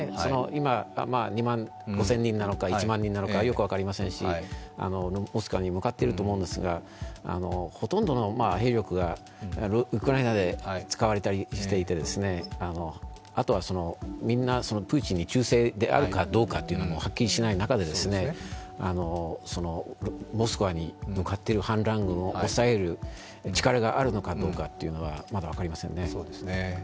今、２万５０００人なのか１万人なのかよく分かりませんがモスクワに向かってると思うんですが、ほとんどの兵力がウクライナで使われたりしていて、あとはみんなプーチンに忠誠があるかというところもはっきりしない中でモスクワに向かっている反乱軍を抑える力があるのかどうかっていうのは、まだ分かりませんね。